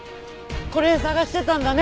これ捜してたんだね。